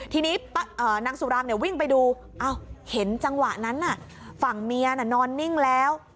ทีนี้นางสุรางเนี่ยวิ่งไปดูอ้าวเห็นจังหวะนั้นน่ะฝั่งเมียน่ะนอนนิ่งแล้ว